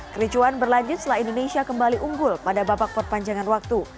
kericuan berlanjut setelah indonesia kembali unggul pada babak perpanjangan waktu